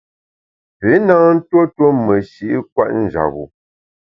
Pü na ntuo tuo meshi’ kwet njap-bu.